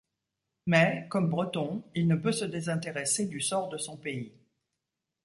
Mais, comme Breton, il ne peut se désintéresser du sort de son pays.